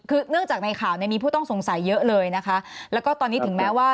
คือเนื่องจากในข่าวเนี่ยมีผู้ต้องสงสัยเยอะเลยนะคะแล้วก็ตอนนี้ถึงแม้ว่า